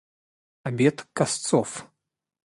Обед косцов.